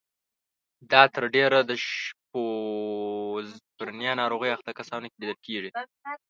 دا تر ډېره د شیزوفرنیا ناروغۍ اخته کسانو کې لیدل کیږي.